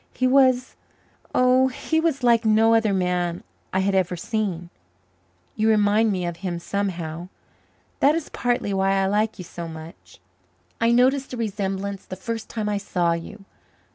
He was oh, he was like no other man I had ever seen. You remind me of him somehow. That is partly why I like you so much. I noticed the resemblance the first time I saw you.